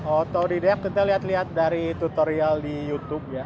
oh tau di df kita lihat lihat dari tutorial di youtube